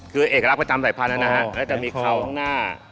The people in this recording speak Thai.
คือเอกลักษณ์ประจำสายพันธุ์นะฮะก็จะมีเขาข้างหน้า